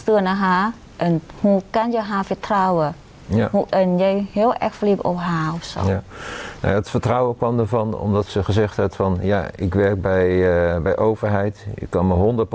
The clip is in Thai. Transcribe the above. ด้วยลึกอาทิมเมสเขากลับไปด้วยว่า